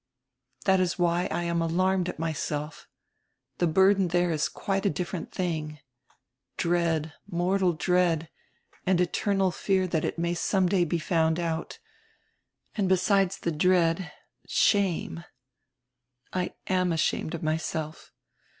That is why I am alarmed at myself. The burden there is quite a different tiling — dread, mortal dread, and eternal fear that it may some day be found out And, besides the dread, shame. I am ashamed of myself.